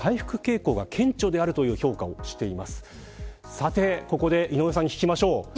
さて、ここで井上さんに聞きましょう。